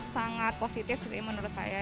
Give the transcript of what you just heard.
sangat positif sih menurut saya